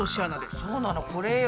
そうなのこれよ。